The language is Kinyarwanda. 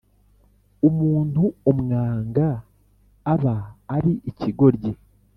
Umuntu umwanga aba ari ikigoryi